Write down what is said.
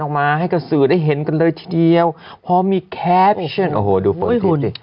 มาให้กับสื่อได้เห็นกันเลยทีเดียวพอมีแคปชั่นโอ้โหดูเปิดดูสิ